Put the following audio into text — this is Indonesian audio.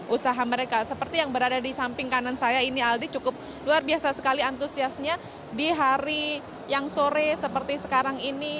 usaha mereka seperti yang berada di samping kanan saya ini aldi cukup luar biasa sekali antusiasnya di hari yang sore seperti sekarang ini